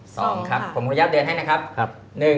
สองผมอนุญาตเดือนให้นะครับ